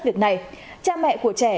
việc này cha mẹ của trẻ